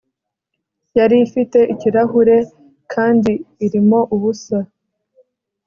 yari ifite ikirahure kandi irimo ubusa